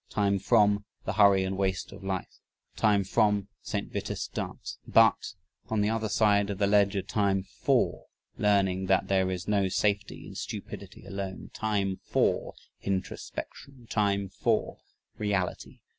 Time FROM the "hurry and waste of life." Time FROM the "St. Vitus Dance." BUT, on the other side of the ledger, time FOR learning that "there is no safety in stupidity alone." Time FOR introspection. Time FOR reality.